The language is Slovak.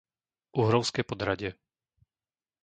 Uhrovské Podhradie